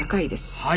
はい。